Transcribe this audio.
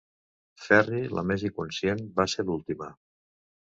Ferri la més inconscient va ser l'última.